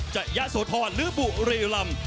จัยะสวทรหรือบุรีลำ